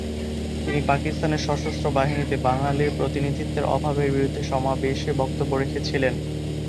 তিনি পাকিস্তানের সশস্ত্র বাহিনীতে বাঙালির প্রতিনিধিত্বের অভাবের বিরুদ্ধে সমাবেশে বক্তব্য রেখেছিলেন।